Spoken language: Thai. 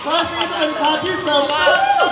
ความสิ้นจะเป็นความที่เสริมซัก